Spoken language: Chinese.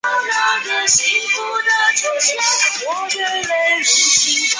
工人来自中爪哇和东爪哇的村庄。